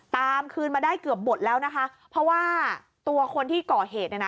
ตามคืนมาได้เกือบหมดแล้วนะคะเพราะว่าตัวคนที่ก่อเหตุเนี่ยนะ